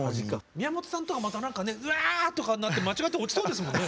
宮本さんとかまた何かねうわとかなって間違って落ちそうですもんね。